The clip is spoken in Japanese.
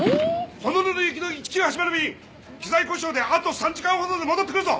ホノルル行きの１９８０便機材故障であと３時間ほどで戻ってくるぞ！